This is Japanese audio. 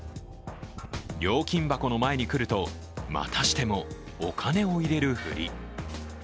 料金箱の前に来ると、またしてもお金を入れるふり。